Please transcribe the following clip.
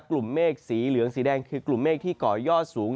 เมฆสีเหลืองสีแดงคือกลุ่มเมฆที่ก่อยอดสูง